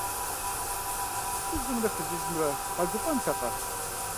ЛӀыжьымрэ фызыжьымрэ къэгуфӀэнтэкъэ?